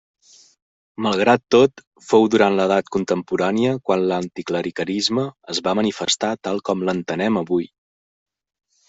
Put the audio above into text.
Malgrat tot fou durant l'edat contemporània quan l'anticlericalisme es va manifestar tal com l'entenem avui.